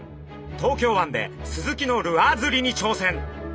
東京湾でスズキのルアー釣りに挑戦。